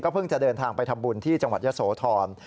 เพิ่งจะเดินทางไปทำบุญที่จังหวัดยะโสธร